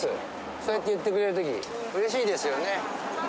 そういっていってくれるとき、うれしいですよね。